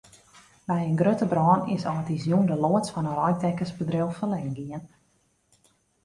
By in grutte brân is âldjiersjûn de loads fan in reidtekkersbedriuw ferlern gien.